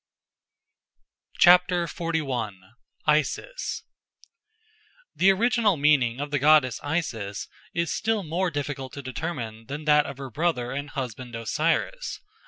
XLI. Isis THE ORIGINAL meaning of the goddess Isis is still more difficult to determine than that of her brother and husband Osiris.